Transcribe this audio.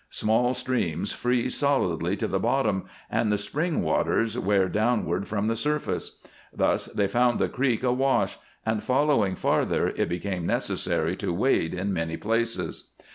Small streams freeze solidly to the bottom and the spring waters wear downward from the surface. Thus they found the creek awash, and, following farther, it became necessary to wade in many places.